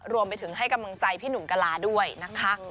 รวมไปถึงให้กำลังใจพี่หนุ่มกะลาด้วยนะคะ